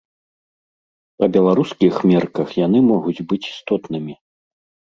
Па беларускіх мерках яны могуць быць істотнымі.